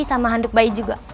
sama handuk bayi juga